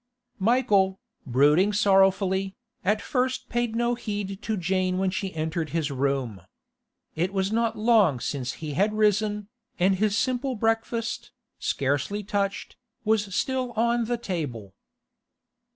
Michael, brooding sorrowfully, at first paid no heed to Jane when she entered his room. It was not long since he had risen, and his simple breakfast, scarcely touched, was still on the table.